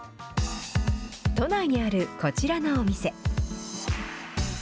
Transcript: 都内にあるこちらのお店。